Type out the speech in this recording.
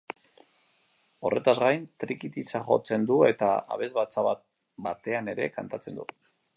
Horretaz gain, trikitixa jotzen du eta abesbatza batean ere kantatzen du.